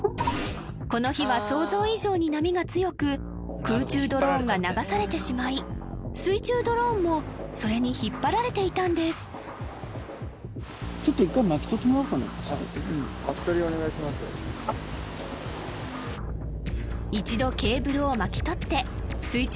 この日は想像以上に波が強く空中ドローンが流されてしまい水中ドローンもそれに引っ張られていたんです・巻き取りお願いします